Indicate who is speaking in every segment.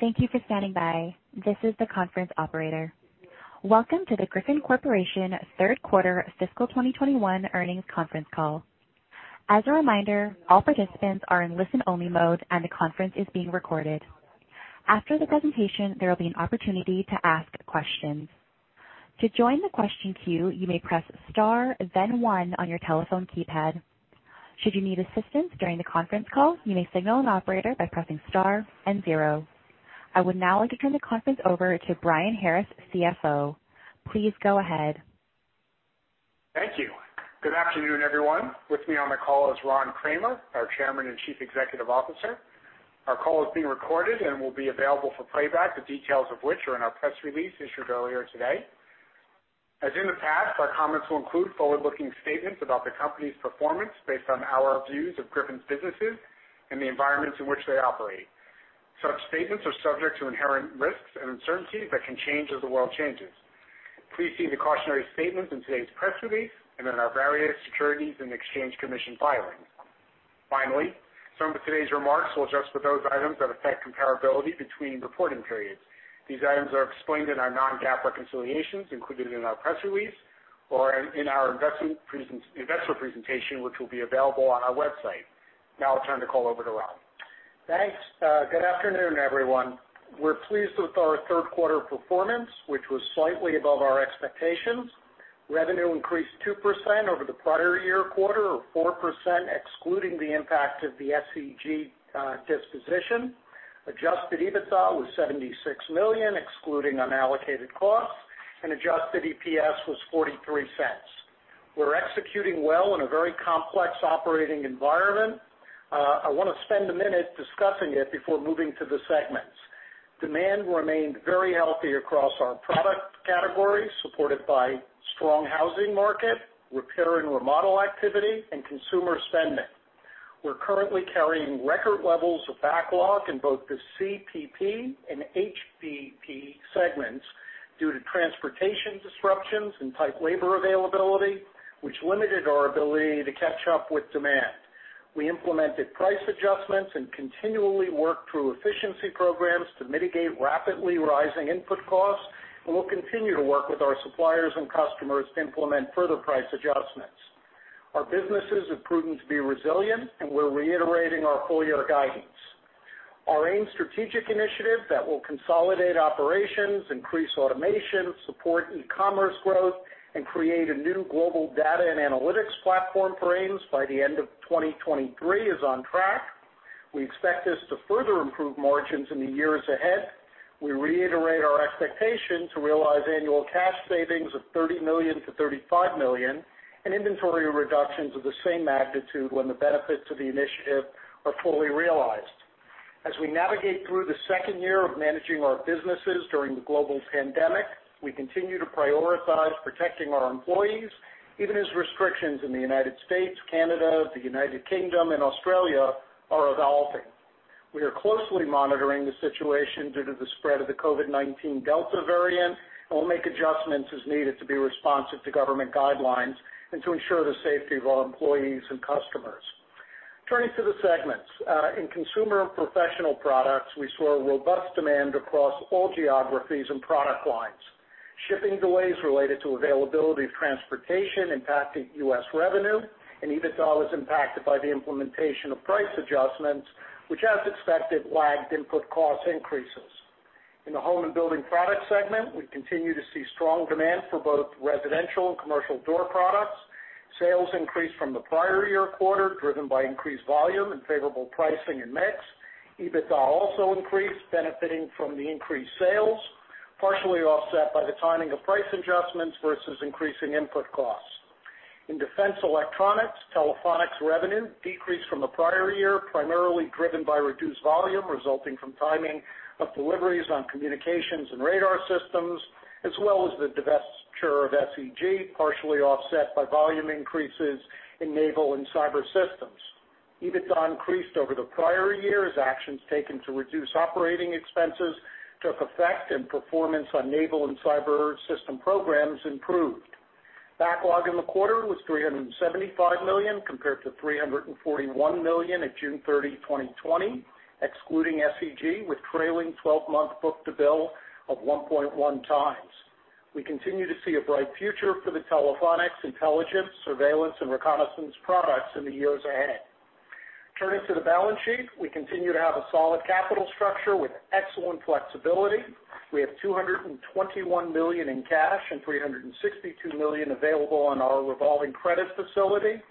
Speaker 1: Thank you for standing by. This is the conference operator. Welcome to the Griffon Corporation third quarter fiscal 2021 earnings conference call. As a reminder, all participants are in listen-only mode, and the conference is being recorded. After the presentation, there will be an opportunity to ask questions. To join the question queue, you may press star then one on your telephone keypad. Should you need assistance during the conference call, you may signal an operator by pressing star and zero. I would now like to turn the conference over to Brian Harris, CFO. Please go ahead.
Speaker 2: Thank you. Good afternoon, everyone. With me on the call is Ron Kramer, our Chairman and Chief Executive Officer. Our call is being recorded and will be available for playback, the details of which are in our press release issued earlier today. As in the past, our comments will include forward-looking statements about the company's performance based on our views of Griffon's businesses and the environments in which they operate. Such statements are subject to inherent risks and uncertainties that can change as the world changes. Please see the cautionary statements in today's press release and in our various Securities and Exchange Commission filings. Finally, some of today's remarks will adjust for those items that affect comparability between reporting periods. These items are explained in our non-GAAP reconciliations included in our press release or in our investor presentation, which will be available on our website. Now I'll turn the call over to Ron.
Speaker 3: Thanks. Good afternoon, everyone. We're pleased with our third quarter performance, which was slightly above our expectations. Revenue increased 2% over the prior year quarter, or 4% excluding the impact of the SEG disposition. Adjusted EBITDA was $76 million, excluding unallocated costs, and adjusted EPS was $0.43. We're executing well in a very complex operating environment. I want to spend a minute discussing it before moving to the segments. Demand remained very healthy across our product categories, supported by strong housing market, repair and remodel activity, and consumer spending. We're currently carrying record levels of backlog in both the CPP and HBP segments due to transportation disruptions and tight labor availability, which limited our ability to catch up with demand. We implemented price adjustments and continually worked through efficiency programs to mitigate rapidly rising input costs, and we'll continue to work with our suppliers and customers to implement further price adjustments. Our businesses have proven to be resilient, and we're reiterating our full-year guidance. Our AMES strategic initiative that will consolidate operations, increase automation, support e-commerce growth, and create a new global data and analytics platform for AMES by the end of 2023 is on track. We expect this to further improve margins in the years ahead. We reiterate our expectation to realize annual cash savings of $30 million-$35 million and inventory reductions of the same magnitude when the benefits of the initiative are fully realized. As we navigate through the second year of managing our businesses during the global pandemic, we continue to prioritize protecting our employees, even as restrictions in the United States, Canada, the United Kingdom, and Australia are evolving. We are closely monitoring the situation due to the spread of the COVID-19 Delta variant. We'll make adjustments as needed to be responsive to government guidelines and to ensure the safety of our employees and customers. Turning to the segments. In Consumer and Professional Products, we saw robust demand across all geographies and product lines. Shipping delays related to availability of transportation impacted U.S. revenue. EBITDA was impacted by the implementation of price adjustments, which, as expected, lagged input cost increases. In the Home and Building Products segment, we continue to see strong demand for both residential and commercial door products. Sales increased from the prior year quarter, driven by increased volume and favorable pricing and mix. EBITDA also increased, benefiting from the increased sales, partially offset by the timing of price adjustments versus increasing input costs. In Defense Electronics, Telephonics revenue decreased from the prior year, primarily driven by reduced volume resulting from timing of deliveries on communications and radar systems, as well as the divestiture of SEG, partially offset by volume increases in naval and cyber systems. EBITDA increased over the prior year as actions taken to reduce operating expenses took effect and performance on naval and cyber system programs improved. Backlog in the quarter was $375 million, compared to $341 million at June 30, 2020, excluding SEG, with trailing 12-month book-to-bill of 1.1x. We continue to see a bright future for the Telephonics intelligence, surveillance, and reconnaissance products in the years ahead. Turning to the balance sheet. We continue to have a solid capital structure with excellent flexibility. We have $221 million in cash and $362 million available on our revolving credit facility,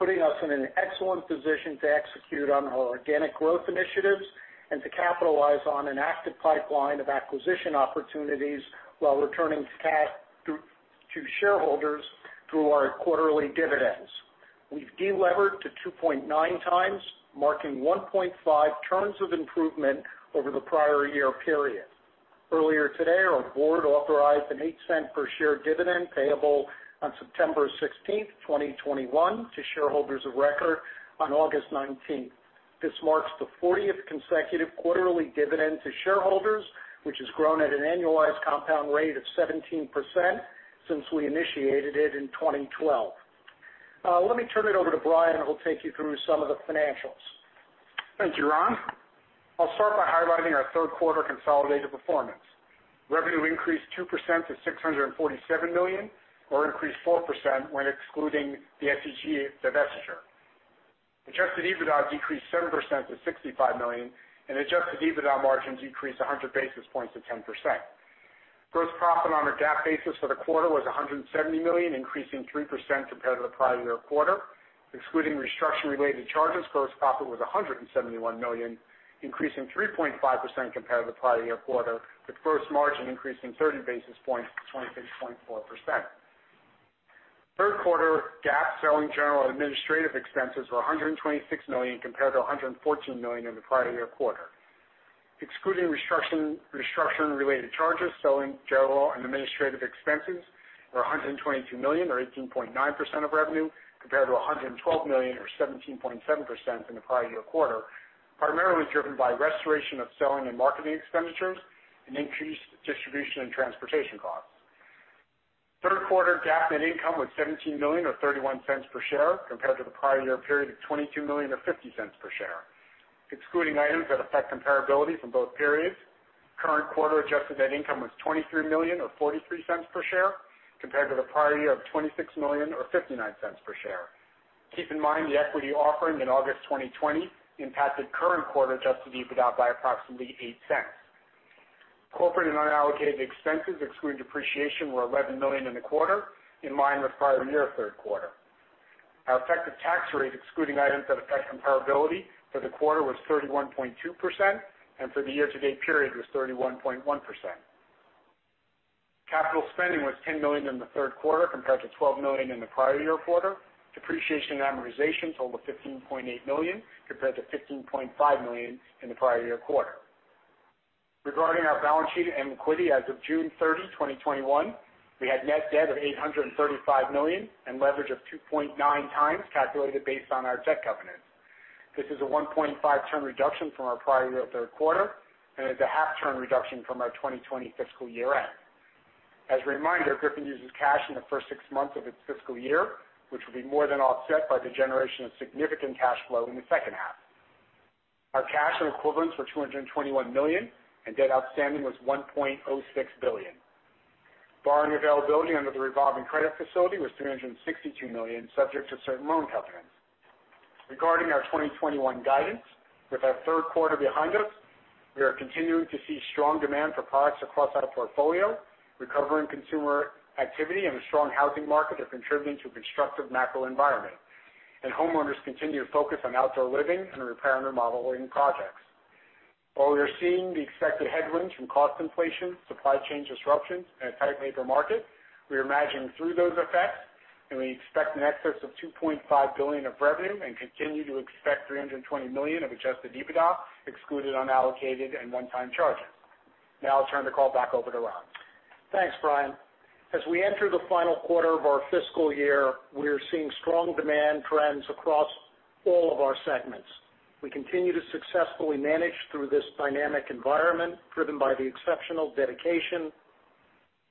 Speaker 3: putting us in an excellent position to execute on our organic growth initiatives and to capitalize on an active pipeline of acquisition opportunities while returning cash to shareholders through our quarterly dividends. We've de-levered to 2.9x, marking 1.5 turns of improvement over the prior year period. Earlier today, our board authorized an $0.08 per share dividend payable on September 16th, 2021, to shareholders of record on August 19th. This marks the 40th consecutive quarterly dividend to shareholders, which has grown at an annualized compound rate of 17% since we initiated it in 2012. Let me turn it over to Brian, who will take you through some of the financials.
Speaker 2: Thank you, Ron. I'll start by highlighting our third quarter consolidated performance. Revenue increased 2% to $647 million or increased 4% when excluding the SEG divestiture. Adjusted EBITDA decreased 7% to $65 million and adjusted EBITDA margins decreased 100 basis points to 10%. Gross profit on a GAAP basis for the quarter was $170 million, increasing 3% compared to the prior year quarter. Excluding restructure-related charges, gross profit was $171 million, increasing 3.5% compared to the prior year quarter, with gross margin increasing 30 basis points to 26.4%. Third quarter GAAP selling, general, and administrative expenses were $126 million compared to $114 million in the prior year quarter. Excluding restructuring-related charges, selling, general, and administrative expenses were $122 million or 18.9% of revenue, compared to $112 million or 17.7% in the prior year quarter, primarily driven by restoration of selling and marketing expenditures and increased distribution and transportation costs. Third quarter GAAP net income was $17 million, or $0.31 per share, compared to the prior year period of $22 million or $0.50 per share. Excluding items that affect comparability from both periods, current quarter adjusted net income was $23 million or $0.43 per share, compared to the prior year of $26 million or $0.59 per share. Keep in mind, the equity offering in August 2020 impacted current quarter adjusted EBITDA by approximately $0.08. Corporate and unallocated expenses, excluding depreciation, were $11 million in the quarter, in line with prior year third quarter. Our effective tax rate, excluding items that affect comparability for the quarter, was 31.2%, and for the year-to-date period was 31.1%. Capital spending was $10 million in the third quarter compared to $12 million in the prior year quarter. Depreciation and amortization totaled $15.8 million compared to $15.5 million in the prior year quarter. Regarding our balance sheet and liquidity as of June 30, 2021, we had net debt of $835 million and leverage of 2.9x, calculated based on our debt covenants. This is a 1.5 turn reduction from our prior year third quarter, and is a half turn reduction from our 2020 fiscal year-end. As a reminder, Griffon uses cash in the first six months of its fiscal year, which will be more than offset by the generation of significant cash flow in the second half. Our cash and equivalents were $221 million, and debt outstanding was $1.06 billion. Borrowing availability under the revolving credit facility was $362 million, subject to certain loan covenants. Regarding our 2021 guidance, with our third quarter behind us, we are continuing to see strong demand for products across our portfolio. Recovering consumer activity and a strong housing market are contributing to a constructive macro environment, and homeowners continue to focus on outdoor living and repair and remodeling projects. While we are seeing the expected headwinds from cost inflation, supply chain disruptions, and a tight labor market, we are managing through those effects, and we expect in excess of $2.5 billion of revenue and continue to expect $320 million of adjusted EBITDA, excluding unallocated and one-time charges. Now I'll turn the call back over to Ron.
Speaker 3: Thanks, Brian. As we enter the final quarter of our fiscal year, we are seeing strong demand trends across all of our segments. We continue to successfully manage through this dynamic environment, driven by the exceptional dedication,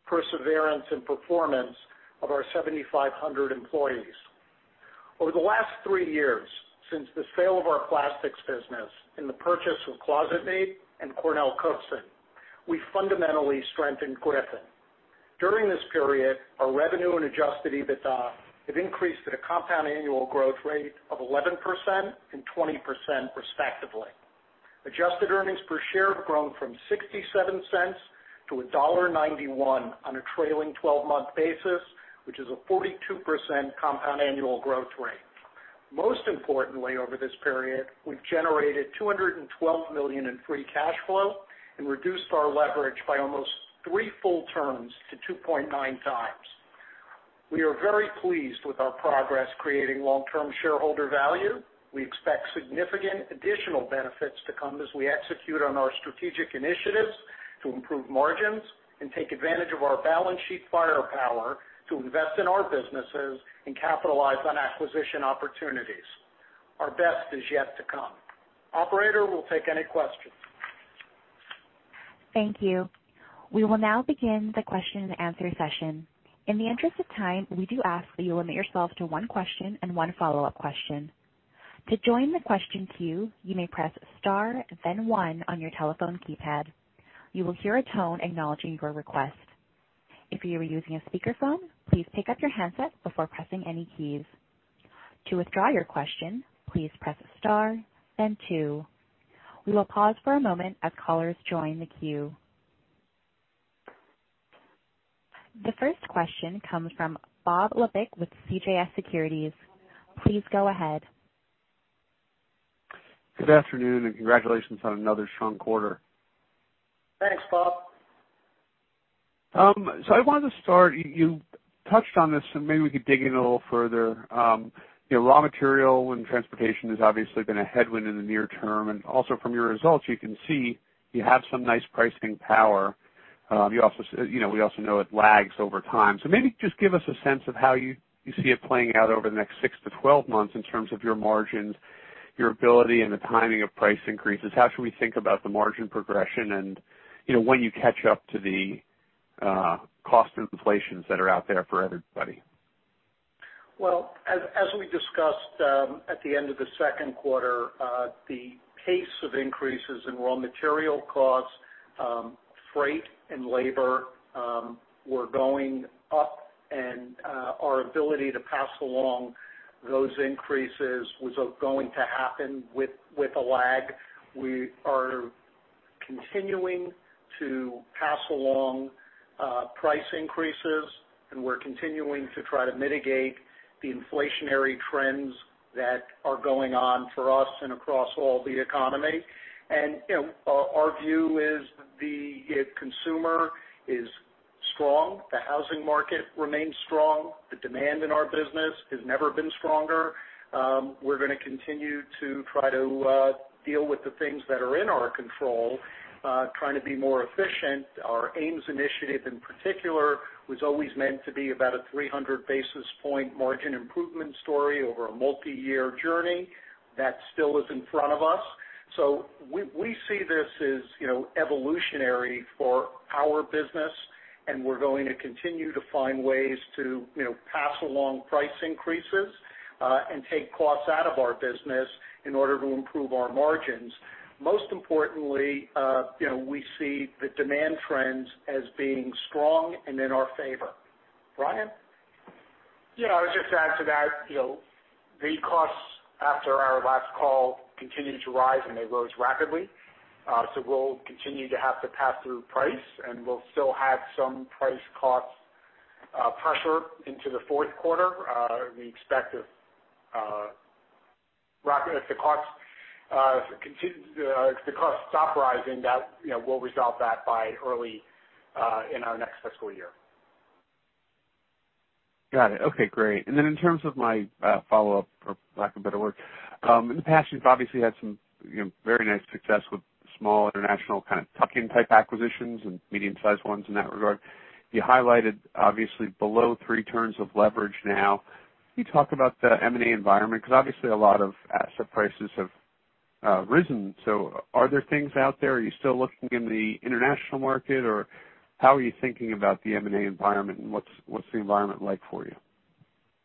Speaker 3: perseverance, and performance of our 7,500 employees. Over the last three years, since the sale of our plastics business and the purchase of ClosetMaid and CornellCookson, we fundamentally strengthened Griffon. During this period, our revenue and adjusted EBITDA have increased at a compound annual growth rate of 11% and 20% respectively. Adjusted earnings per share have grown from $0.67-$1.91 on a trailing 12-month basis, which is a 42% compound annual growth rate. Most importantly, over this period, we've generated $212 million in free cash flow and reduced our leverage by almost three full turns to 2.9x. We are very pleased with our progress creating long-term shareholder value. We expect significant additional benefits to come as we execute on our strategic initiatives to improve margins and take advantage of our balance sheet firepower to invest in our businesses and capitalize on acquisition opportunities. Our best is yet to come. Operator, we'll take any questions.
Speaker 1: Thank you. We will now begin the question-and-answer session. In the interest of time, we do ask that you limit yourself to one question and one follow-up question. To join the question queue, you may press star then one on your telephone keypad. You will hear a tone acknowledging your request. If you are using a speakerphone, please pick up your handset before pressing any keys. To withdraw your question, please press star then two. We will pause for a moment as callers join the queue. The first question comes from Bob Labick with CJS Securities. Please go ahead.
Speaker 4: Good afternoon, and congratulations on another strong quarter.
Speaker 3: Thanks, Bob.
Speaker 4: I wanted to start, you touched on this, so maybe we could dig in a little further. Raw material and transportation has obviously been a headwind in the near term, and also from your results, you can see you have some nice pricing power. We also know it lags over time. Maybe just give us a sense of how you see it playing out over the next six to 12 months in terms of your margins, your ability, and the timing of price increases. How should we think about the margin progression and when you catch up to the? cost inflations that are out there for everybody?
Speaker 3: Well, as we discussed at the end of the second quarter, the pace of increases in raw material costs, freight, and labor were going up, and our ability to pass along those increases was going to happen with a lag. We are continuing to pass along price increases, and we're continuing to try to mitigate the inflationary trends that are going on for us and across all the economy. Our view is the consumer is strong. The housing market remains strong. The demand in our business has never been stronger. We're going to continue to try to deal with the things that are in our control, trying to be more efficient. Our AMES initiative in particular, was always meant to be about a 300 basis point margin improvement story over a multi-year journey. That still is in front of us. We see this as evolutionary for our business, and we're going to continue to find ways to pass along price increases, and take costs out of our business in order to improve our margins. Most importantly, we see the demand trends as being strong and in our favor. Brian?
Speaker 2: Yeah, I'll just add to that. The costs after our last call continued to rise, and they rose rapidly. We'll continue to have to pass through price, and we'll still have some price cost pressure into the fourth quarter. We expect if the costs stop rising, that we'll resolve that by early in our next fiscal year.
Speaker 4: Got it. Okay, great. In terms of my follow-up, for lack of a better word, in the past, you've obviously had some very nice success with small international kind of tuck-in type acquisitions and medium-sized ones in that regard. You highlighted, obviously, below three turns of leverage now. Can you talk about the M&A environment? Obviously a lot of asset prices have risen. Are there things out there? Are you still looking in the international market, or how are you thinking about the M&A environment, and what's the environment like for you?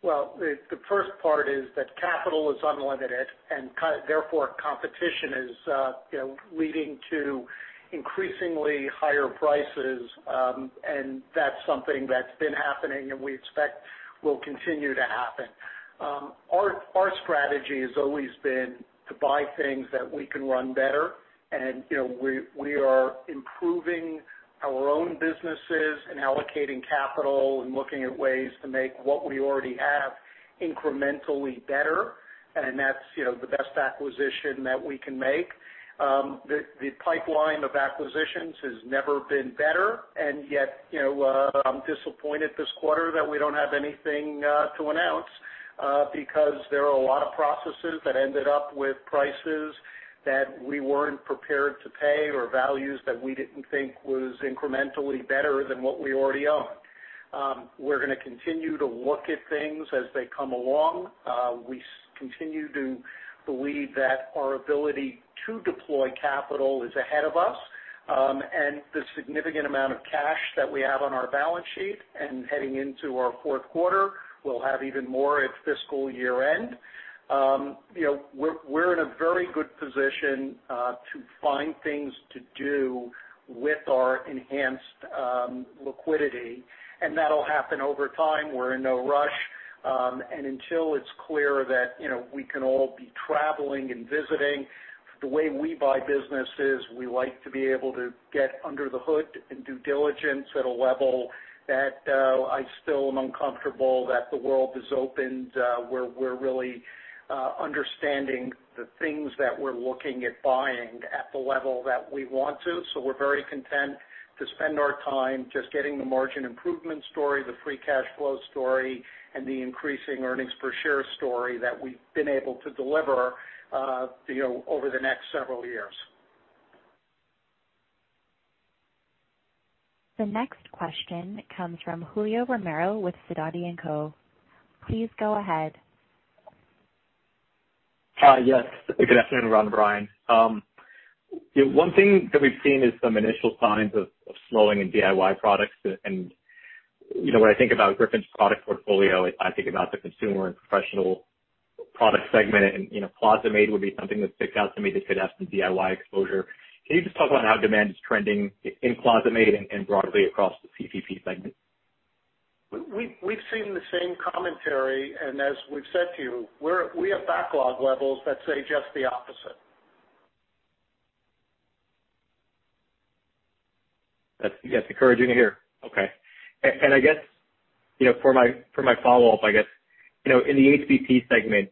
Speaker 3: Well, the first part is that capital is unlimited, and therefore, competition is leading to increasingly higher prices. That's something that's been happening, and we expect will continue to happen. Our strategy has always been to buy things that we can run better. We are improving our own businesses and allocating capital and looking at ways to make what we already have incrementally better. That's the best acquisition that we can make. The pipeline of acquisitions has never been better, and yet, I'm disappointed this quarter that we don't have anything to announce, because there are a lot of processes that ended up with prices that we weren't prepared to pay or values that we didn't think was incrementally better than what we already own. We're going to continue to look at things as they come along. We continue to believe that our ability to deploy capital is ahead of us. The significant amount of cash that we have on our balance sheet and heading into our fourth quarter, we'll have even more at fiscal year-end. We're in a very good position to find things to do with our enhanced liquidity, and that'll happen over time. We're in no rush. Until it's clear that we can all be traveling and visiting, the way we buy businesses, we like to be able to get under the hood and due diligence at a level that I still am uncomfortable that the world is opened, where we're really understanding the things that we're looking at buying at the level that we want to. We're very content to spend our time just getting the margin improvement story, the free cash flow story, and the increasing earnings per share story that we've been able to deliver over the next several years.
Speaker 1: The next question comes from Julio Romero with Sidoti & Co. Please go ahead.
Speaker 5: Hi. Yes, good afternoon, Ron and Brian. 1 thing that we've seen is some initial signs of slowing in DIY products. When I think about Griffon's product portfolio, I think about the Consumer and Professional Products segment, and ClosetMaid would be something that sticks out to me that could have some DIY exposure. Can you just talk about how demand is trending in ClosetMaid and broadly across the CPP segment?
Speaker 3: We've seen the same commentary, and as we've said to you, we have backlog levels that say just the opposite.
Speaker 5: That's encouraging to hear. Okay. I guess for my follow-up, in the HBP segment,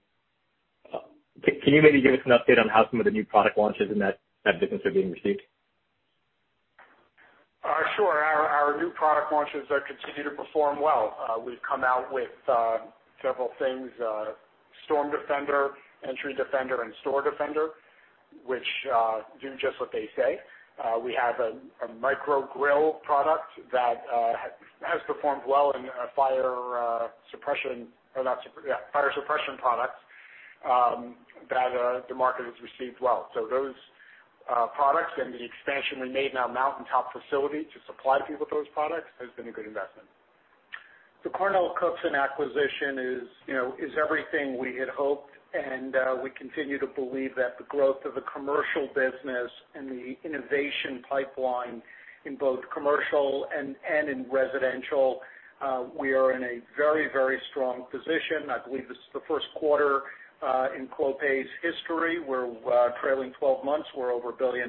Speaker 5: can you maybe give us an update on how some of the new product launches in that business are being received?
Speaker 2: Sure. Our new product launches continue to perform well. We've come out with several things, StormDefender, EntryDefender, and StoreDefender, which do just what they say. We have a MicroCoil Grille product that has performed well in fire suppression products. That the market has received well. Those products and the expansion we made in our Mountain Top facility to supply people with those products has been a good investment.
Speaker 3: The CornellCookson acquisition is everything we had hoped. We continue to believe that the growth of the commercial business and the innovation pipeline in both commercial and in residential, we are in a very strong position. I believe this is the first quarter in Clopay's history where trailing 12 months we're over $1 billion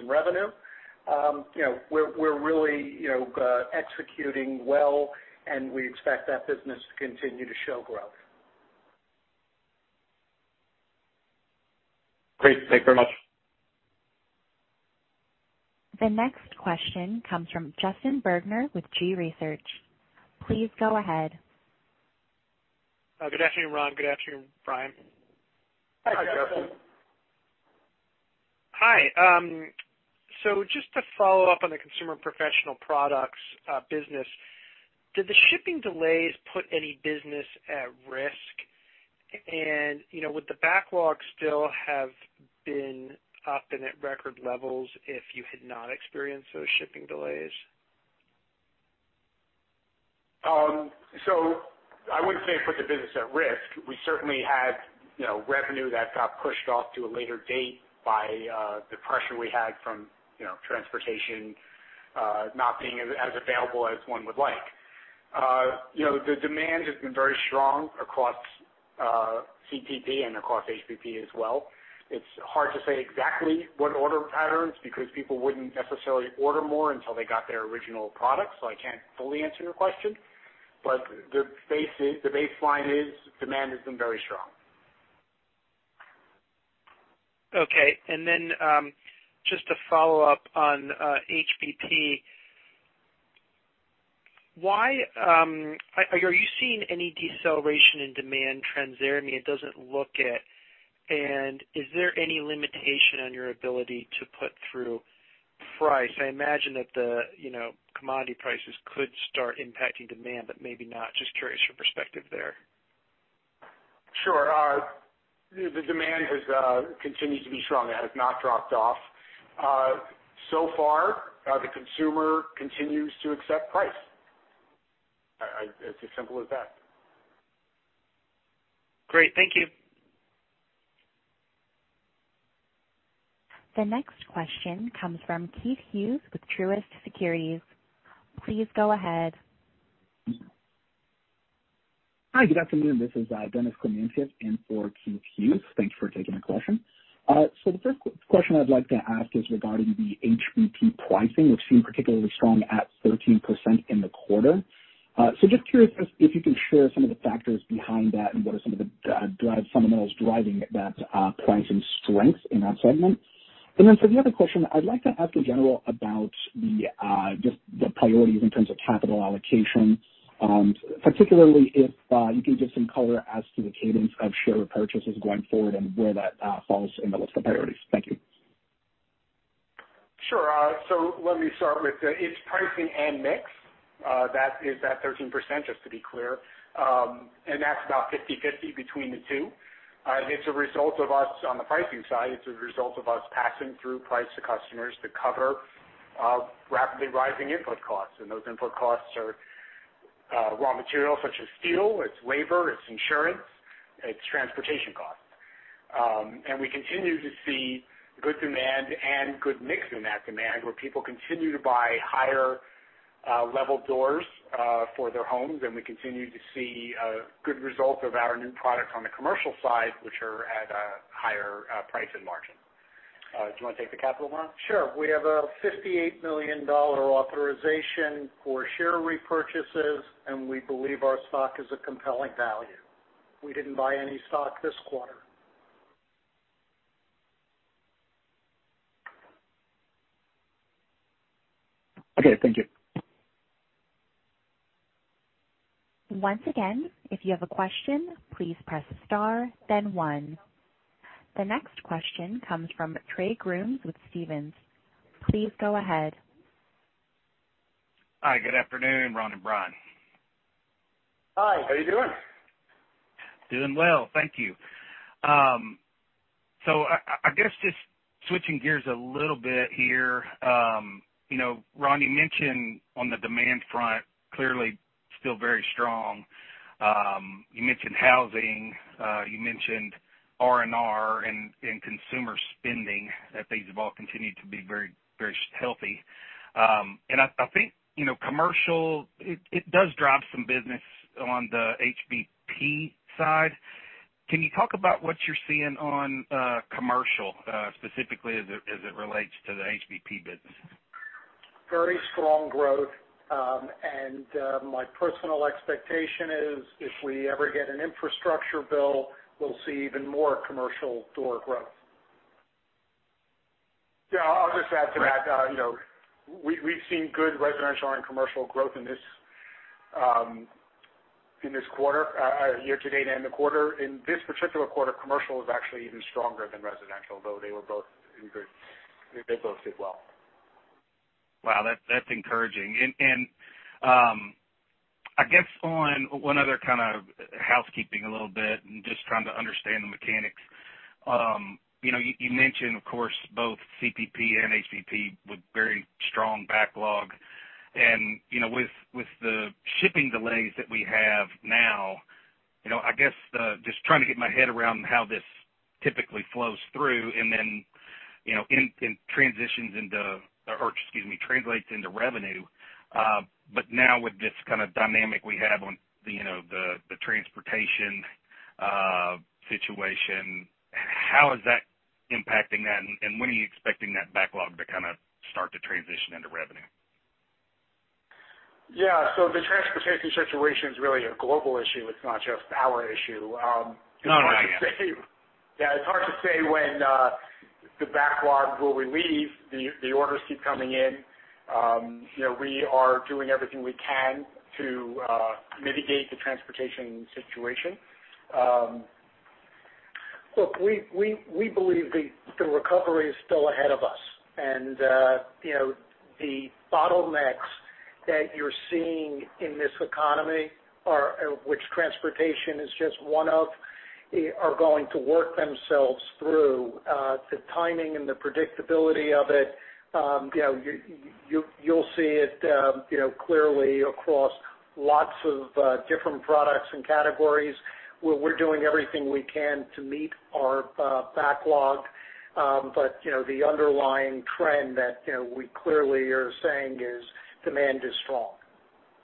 Speaker 3: in revenue. We're really executing well. We expect that business to continue to show growth.
Speaker 5: Great. Thank you very much.
Speaker 1: The next question comes from Justin Bergner with G. Research. Please go ahead.
Speaker 6: Good afternoon, Ron. Good afternoon, Brian.
Speaker 2: Hi, Justin.
Speaker 3: Hi, Justin.
Speaker 6: Hi. Just to follow up on the Consumer and Professional Products business, did the shipping delays put any business at risk? Would the backlog still have been up and at record levels if you had not experienced those shipping delays?
Speaker 2: I wouldn't say it put the business at risk. We certainly had revenue that got pushed off to a later date by the pressure we had from transportation not being as available as one would like. The demand has been very strong across CPP and across HBP as well. It's hard to say exactly what order patterns, because people wouldn't necessarily order more until they got their original product, so I can't fully answer your question. The baseline is demand has been very strong.
Speaker 6: Okay. Then just to follow up on HBP, are you seeing any deceleration in demand trends there? It doesn't look it. Is there any limitation on your ability to put through price? I imagine that the commodity prices could start impacting demand, but maybe not. Just curious your perspective there.
Speaker 2: Sure. The demand has continued to be strong. It has not dropped off. So far, the consumer continues to accept price. It's as simple as that.
Speaker 6: Great. Thank you.
Speaker 1: The next question comes from Keith Hughes with Truist Securities. Please go ahead.
Speaker 7: Hi, good afternoon. This is Denys Klimyentyev in for Keith Hughes. Thank you for taking the question. The first question I'd like to ask is regarding the HBP pricing, which seemed particularly strong at 13% in the quarter. Just curious if you can share some of the factors behind that and what are some of the fundamentals driving that pricing strength in that segment. For the other question, I'd like to ask a general about just the priorities in terms of capital allocation, particularly if you can give some color as to the cadence of share repurchases going forward and where that falls in the list of priorities. Thank you.
Speaker 2: Sure. Let me start with, it's pricing and mix. That is that 13%, just to be clear. That's about 50/50 between the two. On the pricing side, it's a result of us passing through price to customers to cover rapidly rising input costs, and those input costs are raw materials such as steel, it's labor, it's insurance, it's transportation costs. We continue to see good demand and good mix in that demand, where people continue to buy higher level doors for their homes, and we continue to see good results of our new products on the commercial side, which are at a higher price and margin. Do you want to take the capital, Ron?
Speaker 3: Sure. We have a $58 million authorization for share repurchases, and we believe our stock is a compelling value. We didn't buy any stock this quarter.
Speaker 7: Okay. Thank you.
Speaker 1: Once again, if you have a question, please press star then one. The next question comes from Trey Grooms with Stephens. Please go ahead.
Speaker 8: Hi, good afternoon, Ron and Brian.
Speaker 2: Hi.
Speaker 3: How you doing?
Speaker 8: Doing well. Thank you. I guess just switching gears a little bit here. Ron, you mentioned on the demand front, clearly still very strong. You mentioned housing, you mentioned R&R and consumer spending, that these have all continued to be very healthy. I think commercial, it does drive some business on the HBP side. Can you talk about what you're seeing on commercial, specifically as it relates to the HBP business?
Speaker 3: Very strong growth. My personal expectation is if we ever get an infrastructure bill, we'll see even more commercial door growth.
Speaker 2: Yeah, I'll just add to that. We've seen good residential and commercial growth in this quarter, year-to-date and the quarter. In this particular quarter, commercial was actually even stronger than residential, though they both did well.
Speaker 8: Wow. That's encouraging. I guess on one other kind of housekeeping a little bit and just trying to understand the mechanics. You mentioned, of course, both CPP and HBP with very strong backlog. With the shipping delays that we have now, I guess, just trying to get my head around how this typically flows through and then translates into revenue. Now with this kind of dynamic we have on the transportation situation, how is that impacting that, and when are you expecting that backlog to kind of start to transition into revenue?
Speaker 2: Yeah. The transportation situation is really a global issue. It's not just our issue.
Speaker 8: No, no, yeah.
Speaker 2: It's hard to say when the backlog will relieve. The orders keep coming in. We are doing everything we can to mitigate the transportation situation.
Speaker 3: Look, we believe the recovery is still ahead of us, and the bottlenecks that you're seeing in this economy, which transportation is just one of, are going to work themselves through. The timing and the predictability of it, you'll see it clearly across lots of different products and categories, where we're doing everything we can to meet our backlog. The underlying trend that we clearly are saying is demand is strong.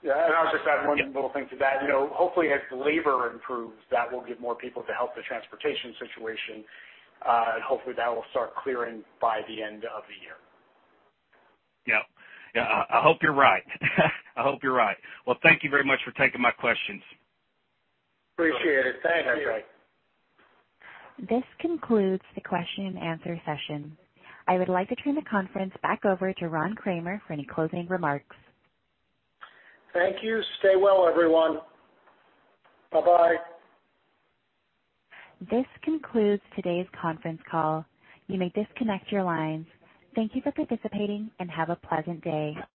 Speaker 2: Yeah. I'll just add one little thing to that. Hopefully, as labor improves, that will give more people to help the transportation situation. Hopefully, that will start clearing by the end of the year.
Speaker 8: Yep. I hope you're right. I hope you're right. Well, thank you very much for taking my questions.
Speaker 3: Appreciate it. Thank you.
Speaker 2: Okay.
Speaker 1: This concludes the question-and-answer session. I would like to turn the conference back over to Ron Kramer for any closing remarks.
Speaker 3: Thank you. Stay well, everyone. Bye-bye.
Speaker 1: This concludes today's conference call. You may disconnect your lines. Thank you for participating, and have a pleasant day.